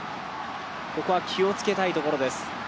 ここは気をつけたいところです。